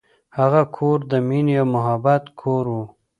هغه کور د مینې او محبت کور و.